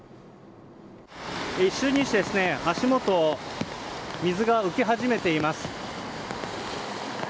一瞬にして足元に水が浮き始めています。